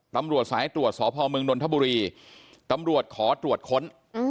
ตำรวจสายตรวจสพเมืองนนทบุรีตำรวจขอตรวจค้น